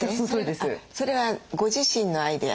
それはご自身のアイデア？